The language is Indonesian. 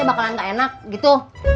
bakalan gak enak gitu